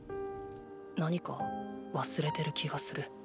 何か忘れてる気がする。